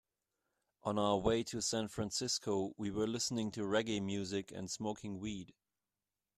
On our way to San Francisco, we were listening to reggae music and smoking weed.